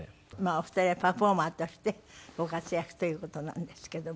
お二人はパフォーマーとしてご活躍という事なんですけども。